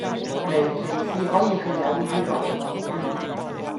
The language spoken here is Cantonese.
微歧視可以係有意或無意